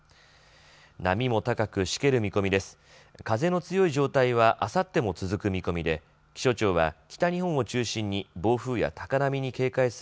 波も高く、しける見込みです。